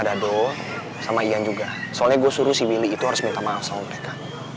dado sama ian juga soalnya gue suruh si willy itu harus minta maaf sama mereka